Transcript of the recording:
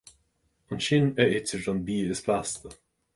Ansin a itear an bia is blasta.